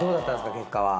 結果は。